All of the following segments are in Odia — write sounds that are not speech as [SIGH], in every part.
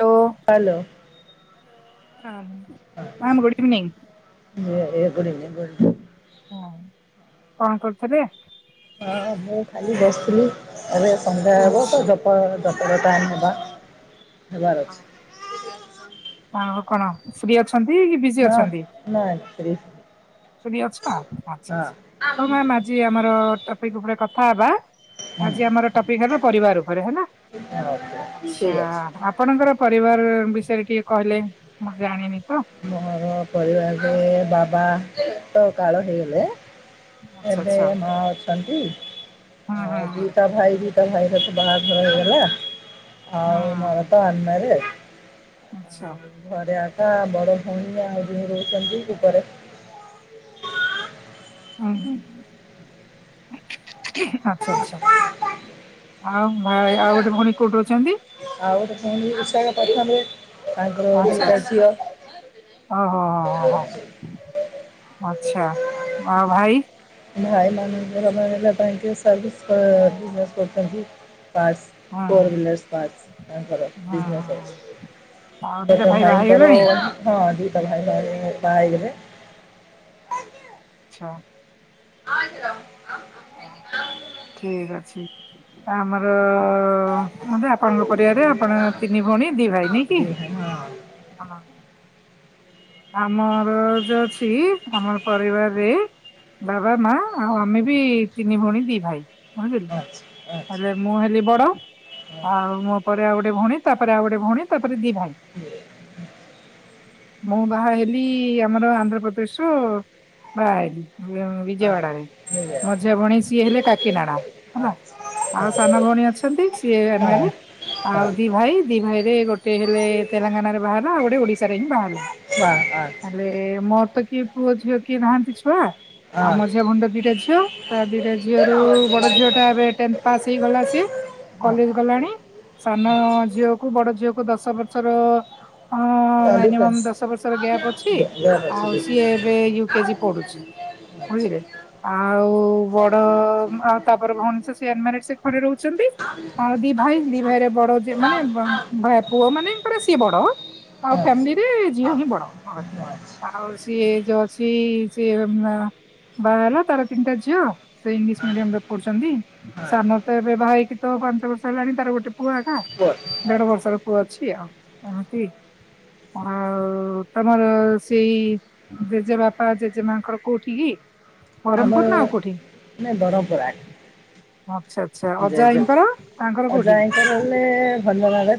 Hello hello. [UNINTELLIGIBLE] ଏ ଗୁଡ଼ ଇଭିନିଂ ଗୁଡ଼। [INAUDIBLE] ହୁଁ କଣ କରୁଥିଲେ। ହଁ ମୁଁ ଖାଲି ବସିଥିଲି ଏବେ ସନ୍ଧ୍ୟା ହେବ ଅଛି। ତ ଜ ଜପର ଟାଇମ୍ ହେଲା ହେବାର ଅଛି ଆଉ କଣ ଫ୍ରୀ ଅଛ ବିଜି ହଁ ଅଛନ୍ତି ନା ନାଇଁ ଫ୍ରି ଫ୍ରି ଅଛନ୍ତି ହଁ କଥା ହେବା ହୁଁ। ଆଜି ଆମର ଟପିକ ହେଲା ପରିବାର ଉପରେ ହେଲା ଓକେ ଆଛା ଠିକ୍ ଅଛି। ଆପଣଙ୍କର ପରିବାର ବି [UNINTELLIGIBLE] କହିଲେ ମୁଁ ଜାଣିନି ମୋର ପରିବାରରେ ବାପା ସେ ତ କାଳ ହେଇଗଲେ, ଆଚ୍ଛା ଏବେ ଆଚ୍ଛା ମୋ ଆଣ୍ଟି ହୁଁ ହୁଁ ହଁ ଦିଟା ଭାଇ ବି ହେ ଭାଇରତ ବାହାଘର ହେଇଗଲା। ହୁଁ ଆଉ ମୋର ତ ଆମାରି ହୁଁ ଆଚ୍ଛା ଆଉ ଘରେ ଆକା [UNINTELLIGIBLE] ହ ହ ଆଛା ଆଚ୍ଛା ଆଉ ଭାଇ ଆଉ ଗୋଟେ ଭଉଣୀ କୋଉଠି ଅଛନ୍ତି। ଆଉ ଗୋଟେ ସେମିତି ବିଶାଳ ପରିବାରରେ ଆଚ୍ଛା ଆଚ୍ଛା ଓ ହୋ ହ ହ ହୋ ଆଛା ଆ ଭାଇ ଭାଇ ମନଙ୍କର ମାନେ ହେଲା ସର୍ଭିସ ବିଜନେସ କରୁଛନ୍ତି। ପାସ୍ ହୁଁ ଫୋର୍୍ଲର୍ସ ପାସ୍ କର ହୁଁ ବିଜନେସ୍ ହୁଁ ଆଉ ଅଛି ଦିଟା ବଟ ଭାଇ ବାହା ଭାଇଙ୍କର ହେଇଗଲେଣି ହଁ ଦୀଟା ଭାଇ ଭାଇ, ବାହା ହେଇଗଲେ, ହଁ, [INAUDIBLE] ଠିକ ଅଛି, ଆମର ଅ ଅ ମାନେ ଆପଣଙ୍କ ପରିବାରେ ଆପଣ ତିନି ଭଉଣୀ ଦି ଭାଇ ନାଇକି। ଦି ଭାଇ ହଁ ଆମର ଯୋଉ ଅଛି ଆମର ପରିବାରରେ ବାବା ମା ଆଉ ଆମେ ବି ତିନି ଭଉଣୀ ଦି ଭାଇ। ବୁଝିଲେ କି ପାଞ୍ଚ ହେଲେ ପାଞ୍ଚ ମୁଁ ହେଲି ବଡ ହଁ ଆଉ ମୋ ଆଉ ଗୋଟେ ଭଉଣୀ ତାପରେ ଆ ଗୋଟେ ଭଉଣୀ ତାପରେ, ରେ ଦି ଭାଇ। ଇଏ ମୁଁ ବାହା ହେଲି ଆମର ଆନ୍ଧ୍ରପ୍ରଦେଶରୁ ବାହା ହେଲି। ବିଜୟୱାଡରେ ଆଠ ମଝିଆ ଭଉଣୀ ସିଏ ହେଲେ କା କିରଣ [UNINTELLIGIBLE] ଆଛା। ସାନ ଭଉଣୀ ଅଛନ୍ତି। ସିଏ ଉଁମରର୍ଡ [UNINTELLIGIBLE] ଆଉ ହଁ ଦି ଭାଇ ଦି ଭାଇ ରେ ଗୋଟେ ହେଲେ ତେଲେଙ୍ଗାନ ରେ ବାହା ହେଲା ଆଉ ଗୋଟେ ଓଡିଶା ରେ ହିଁ ବାହା ହେଲା। ବା ଆଠ ହେଲେ ଏ ମୋର ତ କିଏ ପୁଅ ଝିଅ କିଏ ନାହାନ୍ତି। ଛୁଆ ଆଉ ମୋ ମଝିଆ ହଁ ଭଉଣୀ ର ଦିଟା ଝିଅ ତା ଦିଟା ଝିଅ ର ବଡ ଝିଅ ଟା ଏବେ ଟେନ୍ଥ ପାସ୍ ହେଇଗଲା ସିଏ କଲେଜ ହଁ ଗଲାଣି ସାନ ଝିଅକୁ ବଡ ଝିଅକୁ ଦଶ ବର୍ଷର ହଁ ଡିଫେନ୍ସ ବର୍ଷ ର ଗ୍ୟାପ ଅଛି। ଆଉ ସିଏ ଏବେ ଉକେଜି ପଢୁଛି ବୁଝିଲେ ।ଆଉ ବଡ ତାପରେ ଭଉଣୀ ଅନ୍ ମାରେଡ ଘରେ ରହୁଛନ୍ତି ଆଉ ଦି ଭାଇ ଦି ଭାଇ ମାନେ ପୁଅ ମାନଙ୍କର ସିଏ ବଡ ଆଉ ଫାମିଲିରେ ଝିଅ ହିଁ ବଡ ଆମ ଘରେ ଆଉ ସିଏ ଯୋଉ ଅଛି ସିଏ ବାହା ହେଲା ତାର ତିନିଟା ଝିଅ ସେ ଇଂଲିଶ ମିଡିୟମ ରେ ପଢୁଛନ୍ତି ସାନ ତ ଏବେ ବାହା ହେଇକି ତ ପାଞ୍ଚ ବର୍ଷ ହେଲାଣି ତାର ଗୋଟେ ପୁଅ ଆକା ଦେଢ ବର୍ଷର ପୁଅ ଅଛି ଆଉ ଏମିତି [UNINTELLIGIBLE] ଆଉ ତମର ସେଇ ଜେଜେ ବାପା ଜେଜେ ମାଙ୍କର କୋଉଠି କି? ଆମର ବ୍ରହ୍ମପୁର ନା ଆଉ କୋଉଠି? ମେ ବ୍ରମପୁରା ଆଚ୍ଛା ଆଚ୍ଛା ଜ ଜ ଅଜାଆଈଙ୍କର ତାଙ୍କର କୋଉଠି ଅଜା ଆଈଙ୍କ ର ହେଲେ ଭଞ୍ଜନଗର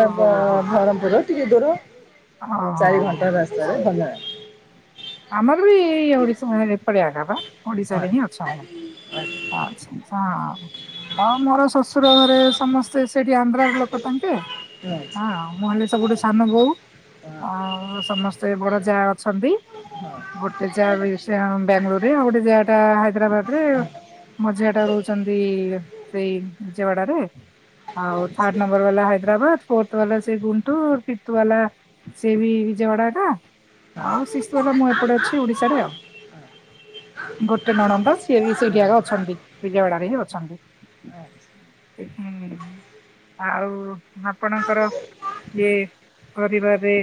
ଓହୋ ହୋ ହୋ ବରମପୁର ଟିକେ ଦୂର ଚାରି ଘଣ୍ଟା ହୋ ରାସ୍ତାରେ ଭଲ ଆମର ବି [UNINTELLIGIBLE] ଏପଡିଆ ଆଗ ବା ହଁ ଓଡିଶାରେ ହିଁ ଅଛି ହଁ ହ ହ ମୋର ଶଶୁର ର ଘରେ ସମସ୍ତେ ସେଠି ଆନ୍ଧ୍ରାର ଲୋକ ତାଙ୍କେ ହଁ ମୁଁ ହେଲେ ସବୁଠୁ ସାନ ବୋହୁ ଆଉ ସମସ୍ତେ ବଡ ଯା ଅଛନ୍ତି। ଗୋଟେ ଜାଆ ସେ ବାଙ୍ଗାଲୋରରେ ଆଉ ଗୋଟେ ଜାଆ ଟା ହାଇଦ୍ରାବାଦରେ ହଁ ମଝିଆ ଟା ରହୁଛନ୍ତି ସେଇ ବିଜୟଡାରେ ଆଉ ହଁ, ହଁ। ଥାର୍ଡ ନମ୍ବର ବାଲା ହାଇଦ୍ରାବାଦ ଫୋର୍ଥ ବାଲା ସେ ଗୁଠୁରୁ ରୁ ଫିଥିବାଲା ସେ ବି ବିଜୟୱଡା ଟା ଆଉ ସିଶି ବାଲା ଅ ଓଡିଶରେ ଆଉ ଗୋଟେ ନଣନ୍ଦ ସିଏ ବି ସେଇଠି ଯ ଅଛନ୍ତି । ବିଜୟାୱାଡ ହିଁ ଅଛନ୍ତି। ଆଉ ଆପଣଙ୍କର ଇଏ ପରିବାରରେ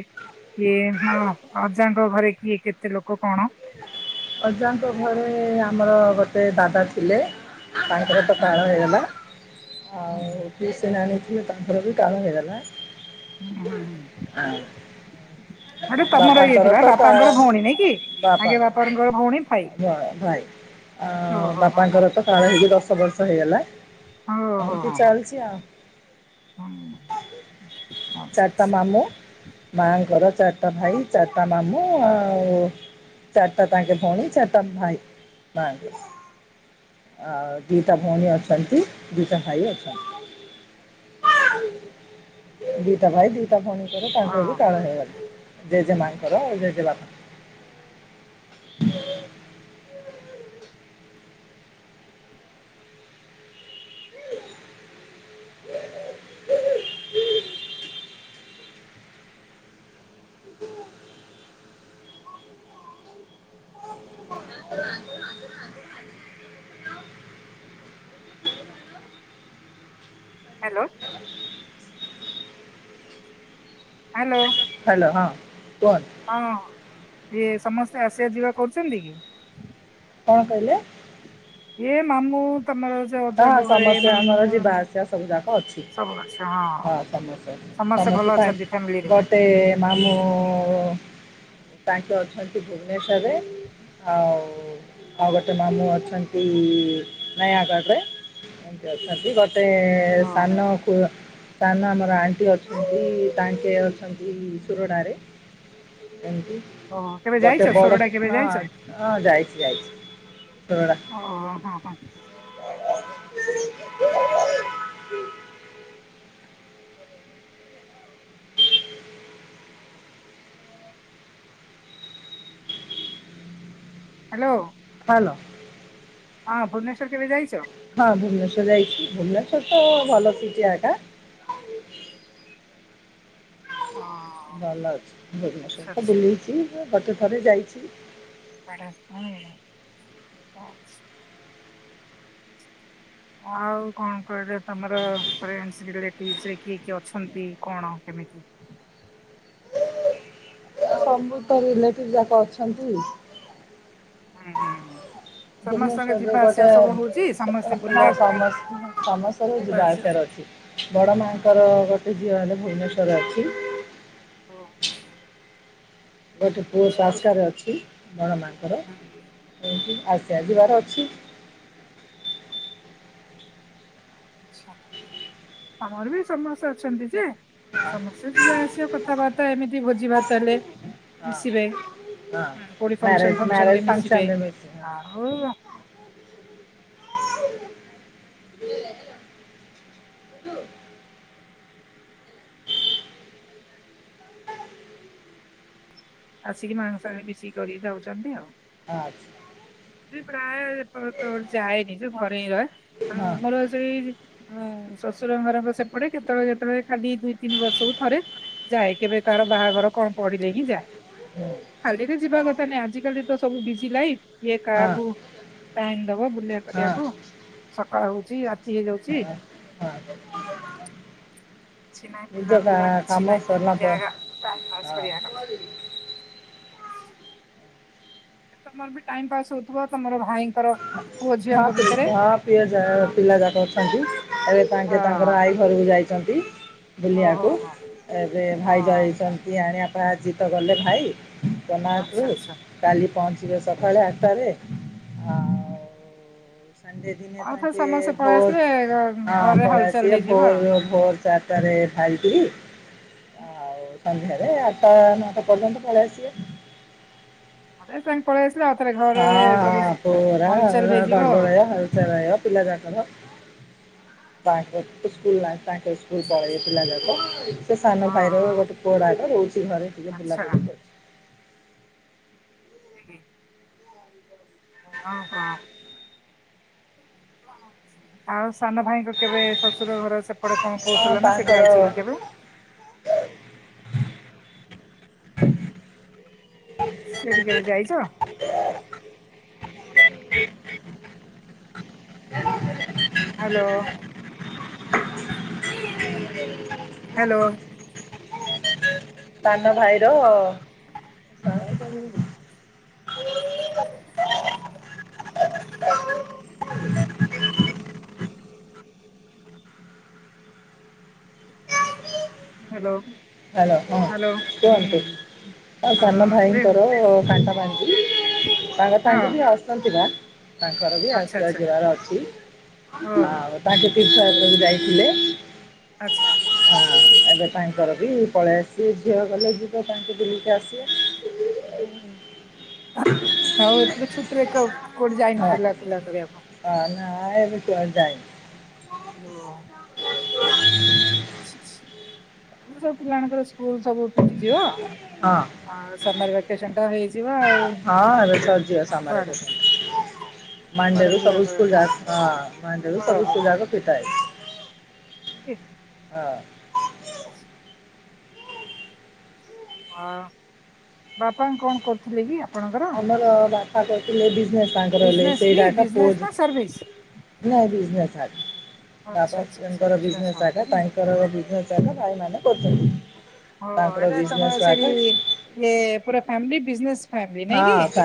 କିଏ ହ ଅଜାଙ୍କ ଘରେ କିଏ ଏତେ ଲୋକ କଣ? ଅଜାଙ୍କ ଘରେ ଆମର ଗୋଟେ ଦାଦା ଥିଲେ। ତାଙ୍କର ତ କାଳ ହେଇଗଲା ଆଉ ପିଶି ନାନୀ ତାଙ୍କର ବି କାଳ ହେଇଗଲା। ଆ ଆରେ ତମର ଇଏ ଥିବା ବାପାଙ୍କର ଭଉଣୀ ନାଇଁ କି ତାଙ୍କେ ବାପାଙ୍କର ବାପାଙ୍କ ଭାଇ ଆ ଓହୋ ହୋ ହୋ ବାପାଙ୍କର ତ କାଳ ହେଇକି ଦଶ ବର୍ଷ ସ ହେଇଗଲା। ହୋ ହୋ ଏ ତୁ ହୋ ଚାଲଛି ଆଉ। ଆଚ୍ଛା ଚାରିଟା ଆଚ୍ଛା ମାମୁଁ ମାଆ ଙ୍କର। ଚାରିଟା ଭାଇ ଚାରିଟା ମାମୁଁ ଆଉ ଚାରିଟା ତାଙ୍କେ ଭଉଣୀ ଚାରିଟା ଭାଇ ମାଙ୍କ ଆଉ ଦିଟା ଭଉଣୀ ଅଛନ୍ତି। ଦିଟା ଭାଇ ଅଛନ୍ତି। ଦିତା ଭାଇ ଦିତା ସୀତା ଭଣୀଙ୍କରେ ତାଙ୍କର ବି ହଁ କାଳ ହେଇଗଲା ଜେଜେ ମାଆଙ୍କର ଆଉ ଜେଜେ ବାପା ହ ହ୍ୟାଲୋ ହ୍ୟାଲୋ ହ୍ୟାଲୋ ହଁ। କୁହନ୍ତୁ ହଁ। ଇଏ ସମସ୍ତେ ଆସିବା ଯିବା କରୁଛନ୍ତି କି? କଣ କହିଲେ? ଏ ମାମୁଁ ତମର ଯୋଉ ହଁ ଅଜାଙ୍କ ଘରେ ସମସ୍ତେ ମାମୁଁ ଆମର ଯିବା ଆସିବା ସବୁ ଯାକ ଅଛି। ସବୁ ଆଚ୍ଛା ହଁ ସମସ୍ତେ ଭଲ ସମସ୍ତେ କାଇ ଅଛନ୍ତି ଫ୍ୟାମିଲିରେ ଗୋଟେ-ଏ-ଏ-ଏ ମାମୁଁ-ଉ-ଉ-ଉ ତାଙ୍କେ ଅଛନ୍ତି ଭୁବନେଶୂରରେ, ଆଉ ଆଉ ଗୋଟେ ମାମୁଁ ଅଛନ୍ତି-ଇ-ଇ-ଈ ନୟାଗଡ଼ରେ। ଏମିତି ଅଛନ୍ତି। ଗ ସେ-ଏ-ଏ-ଏ ଓ ସାନୁ କୁ ସାନ ଆମର ଆଣ୍ଟି ଅଛନ୍ତି-ଇ-ଇ-ଇ ତାଙ୍କେ ଅଛନ୍ତି-ଇ-ଇ-ଇ ସୁରଡ଼ାରେ। ଏମତି ଓ କେବେ ଯାଇଛ ଗୋଟେ ବଡ ସୋରଡା କେବେ ହଁ ଯାଇଛ? ହଁ ଯାଇଛି। ଯାଇଛି। ସୋରଡ଼ା ଓ ହଁ ହଁ ହେଲୋ ହେଲୋ ହଁ ଭୁବନେଶ୍ଵର କେବେ ଯାଇଛ? ହଁ ଭୁବନେଶ୍ୱର ଯାଇଛି ଭୁବନେଶ୍ଵର ତ-ଅ-ଅ-ଅ ଭଲ [INAUDIBLE] ଜାଗା। ଆଉ [INAUDIBLE] ହଁ ଭଲ ଅଛି ଭୁବନେଶ୍ଵର ଆଚ୍ଛା ତ ଆଚ୍ଛା ବୁଲିଛି ବାଟ ଥରେ ଯାଇଛି। [INAUDIBLE] ଆଉ କଣ କହିଲେ ତମର ଫ୍ରେଣ୍ଡସ ରିଲେଟିଭ୍ସ୍ ରେ କିଏ କିଏ ଅଛନ୍ତି କଣ କେମିତି? ସବୁ ତ ରିଲେଟିଭ ଯାକ ଅଛନ୍ତି। ହୁଁ ହୁଁ ସମସ୍ତଙ୍କ ଭୁବନେଶ୍ଵରରେ ଯିବା ଆସିବା ଗୋଟେ ସବୁ ହଉଛି ସମସ୍ତେ ସ ବୁଲା ସମ ସମସ୍ତାରେ ଯିବା ଯିବା ଆସିବା ଆସିବାର ସବୁ ଅଛି ବଡ ହୁଁ ମାଙ୍କର ଗୋଟେ ଝିଅ ହେଲେ ଭୁବନେଶ୍ୱରେ ଅଛି। ହ। ଗୋଟେ ପୁଅ ତାସ୍କାରେ ଅଛି। ବଣ ମାଙ୍କର ହୁଁ। ଏମିତି ଆସେ ଆସ ଯିବାର ଅଛି ଆଛା ଆମର ବି ସମସ୍ତେ ଅଛନ୍ତି ଯେ। ହଁ ସମସ୍ତେ ଯିବା ଆସିବା କଥାବାର୍ତ୍ତା ଏମିତି ଭୋଜି ଭାତ ହେଲେ ହ ମିଶିବେ ହ ହୁଁ, କୋଉଠି ଫଙ୍କସନ ମ୍ୟାରେଜ ଫଙ୍କସନ ରେ ମ୍ୟାରେଜ ମିଶିବେ ଫଙ୍କସନ ରେ ମିଶି ଆଉ ଆସିକି ମାଙ୍କ ସହ ମିଶି କରିକି ଯାଉଛନ୍ତି ହଁ ଅଛି ଆଉ। ପ୍ରାୟ ଅ-ଅ-ଅ-ଅ ଯାଏନି ଯଉ ଘରେ ହିଁ ରହେ ଆଉ ହଁ ଆମର ସେଇ ଉ ଶଶୁର ଘର ସେପଟେ କେତେବେଳେ କେତେବେଳେ ଖାଲି ଦୁଇ ତିନି ବର୍ଷକୁ ଥରେ ଯାଏ କେବେ କାହାର ବାହାଘର କଣ ପଡିଲେ ହିଁ ଯାଏ। ହୁଁ, ଖାଲିରେ ଯିବା କଥା ନାହିଁ ଆଜିିକାଲି ତ ସବୁ ବିଜି ଲାଇଫ କିଏ ହଁ କାହାକୁ ଟାଇମ ଦବ ବୁଲିବା ହଁ ହଁ ହଁ କରିବାକୁ। ସକାଳ ହଉଛି ରାତି ହେଇ ଯାଉଛି। କିଛି ନହିଁ ନିଜ ବୁଲା ବୁଲା କା- କିଛି କାମ ନହିଁ ସରିଲା ଏମିତି ପରେ ଆକା ଟାଇମ ପାସ୍ ହଁ କରିବା କଥା। [INAUDIBLE] [UNINTELLIGIBLE] ତମର ବି ଟାଇମ ପାସ ହଉଥିବ ତମର ଭାଇ ଙ୍କର ହଁ ହଁ ପ୍ରିୟ ଯା ପିଲା ଯାକ ଅଛନ୍ତି। ଏବେ ତାଙ୍କେ ହଁ ତାଙ୍କର ଆଈ ଘରକୁ ଯାଇ ଅଛନ୍ତି। ଓହୋ ବୁଲିବାକୁ ହୋ ଏବେ ହଁ ଭାଇ ଜାଇଛନ୍ତି ଆଣିବାକୁ ତ ଗଲେ ଭାଇ। ଆଚ୍ଛା ଆଚ୍ଛା [UNINTELLIGIBLE] ସକାଳେ ଆଠଟାରେ ଆଉ ସେ ଦିନେ ଆଉ ଥରେ ତାକେ ସମସ୍ତେ ପଳେଇ ଆସିଲେ ଭୋର ଘରେ ପଳେଇ ହଲଚଲ ଆସିବେ ହେଇଯିବ ଆଉ ଭୋର ଭୋର ଚାରିଟାରେ ଭାରିକି ଆଉ ସନ୍ଧ୍ୟାରେ ଆଠଟା ନଅଟା ପର୍ଯ୍ୟନ୍ତ ପଳେଇ ଆସିବେ। [INAUDIBLE] [UNINTELLIGIBLE] ଘରେ ସବୁ ହଁ ପୁରା ହଲଚଲ ହେଇଯିବ ଆଉ ଗଡବଡ ହଲଚଲ ରହିବ ପିଲା ଯାକର। [UNINTELLIGIBLE] ସ୍କୁଲ ଆଚ୍ଛା ଆଚ୍ଛା ପଳେଇ ଥିଲା ନା କ ତା ସାନ ହଁ ଭାଇର ହଁ ଗୋଟେ କୁଅଡ଼ାକ ରହୁଛି ଘରେ ଟିକେ ଆଚ୍ଛା ବୁଲାବୁଲି କର । ହୁଁ। ହଁ କହ? ଆଉ ସାନ ଭାଇଙ୍କ କେବେ ଶ୍ୱଶୁର ଘର ଏପଟେ କଣ କହୁ ହଁ ଥିଲେ ନା ସେ ତାଙ୍କର ଯାଇଛ କି କେବେ? [INAUDIBLE] ସେଠି କେବେ ଯାଇଛ [INAUDIBLE] [INAUDIBLE] ହ୍ୟାଲୋ । [INAUDIBLE] ହ୍ୟାଲୋ। [INAUDIBLE] ସାନ ଭାଇର ହ୍ୟାଲୋ ହ୍ୟାଲୋ [INAUDIBLE] [INAUDIBLE] ହ୍ୟାଲୋ ହ୍ୟାଲୋ ହଁ ହୁଁ କୁହନ୍ତୁ ହଁ ସାନ ଭାଇଙ୍କର କାଣ୍ଟ ପାଞ୍ଜି ତାଙ୍କ ହଁ ତାଙ୍କେ ବି ଆସ ବା ତାଙ୍କର ବି ଆଚ୍ଛା ଆସିବା ଆଚ୍ଛା ଯିବାର ଅଛି ଓହୋ ଆଉ ତାଙ୍କେ । ଟିକା ଯାଇଥିଲେ ଆଚ୍ଛା। [INAUDIBLE] ହଁ ଏବେ ତାଙ୍କର ବି ପଳେଇ ଆସିଛି ଝିଅ ଗଲେ ଯିବ ତାଙ୍କୁ ବି [INAUDIBLE] ଆଉ ଆଉ ଏପଟ ଛୁଟିରେ କୋଉଠି ଯାଇନ ହଁ ବୁଲା କୁଲା କରିବାକୁ? ନା ଏବେ କୁଆଡ଼େ ଯାଇନି । ଓ, ସବୁ ପିଲାଙ୍କର ସ୍କୁଲ ସବୁ ଫି ଯିବ ହଁ ଆଉ ସମର ଭକେସନ ତ ହେଇଯିବ ଆଉ ହଁ ଏବେ କୁଆଡେ । ମାଣ୍ଡରୁ ସବୁ ସ୍କୁଲ ଯା ହଁ ମାଣ୍ଡରୁ ହଉ ସବୁ ସ୍କୁଲ ହଉ। ଯାକ ଫିଠା ହେଇଛି । ହଁ ସ [INAUDIBLE] ଅ ବାପା କଣ କରୁଥିଲେ କି । ଆମର ବା । କରିଥିଲେ ବି । ତାଙ୍କର ହେଲେ ବିଜନେସ୍ କି ସେଇଟା ପୁଅ ବିଜନେସ୍ ନା ସର୍ଭିସ? ନାଇ, ସ ଆଚ୍ଛା ଆଚ୍ଛା ଆଚ୍ଛା ବାପାଙ୍କର ବିଜନେସ୍ କରନ୍ତି ଆକା ନାଇଁ ତାଙ୍କର ବିଜନେସ୍ ଆକା ଭାଇ ମାନେ କରୁଛନ୍ତି । ହ ଏଟା ତମର ସେଠି ଇଏ ପୁରା ଫାମିଲି । ବିଜନେସ୍, ଫ୍ୟାମିଲି ନାଇଁ କି? ହଁ ଫ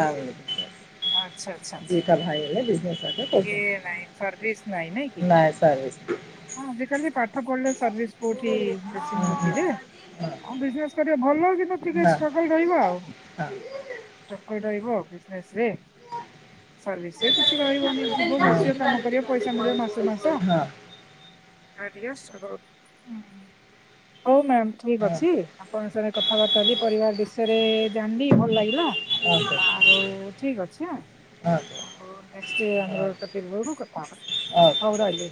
ଦିଟା ଭାଇ ହେଲେ ବିଜିନେସ ନ ନାଇଁ ସର୍ଭିସ ନାଇ ନା କି ନାଇଁ ସର୍ଭିସ। ଆଜି କାଲି ପାଠ ପଢିଲେ ସର୍ଭିସ୍ ହୁଁ କୋଉଠି ହୁଁ ବେଶି ମିଳୁଛି ଯେ ହଁ ବିଜନେସ କରିବ ଭଲ କିନ୍ତୁ ଟିକେ ହଁ ଷ୍ଟ୍ରଗଲ ରହିବ ଆଉ ହଁ। ବିଜନେସ ସର୍ଭିସ୍ ରେ କିଛି ରହିବନି, ଯିବ ବସିବ କାମ କରିବ ପଇସା ମିଳିବ ମାସୁ କୁ ମାସ, ହୁଁ ହଉ, ଠିକ ଅଛି ଆପଣଙ୍କ ସାଙ୍ଗରେ କଥାବାର୍ତ୍ତା ହେଲି ପରିବାର ବିଷୟରେ ଜାଣିଲି ଭଲ ଲାଗିଲା ଆଉ ଠିକ ଅଛି ଆଉ ନେଷ୍ଟ ହୋଇ ରହିଲି,